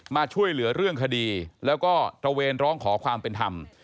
มาช่วยเหลือเรื่องคดีแล้วก็ตระเวนร้องขอความเป็นธรรม